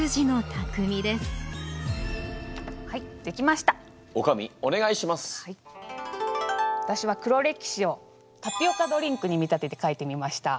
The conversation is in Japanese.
わたしは「黒歴史」をタピオカドリンクに見立てて書いてみました。